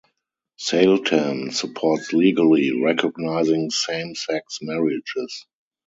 Saletan supports legally recognizing same-sex marriages.